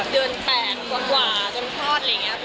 เดือน๘กว่าจนคลอดอะไรอย่างนี้